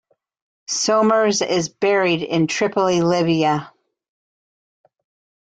Somers is buried in Tripoli, Libya.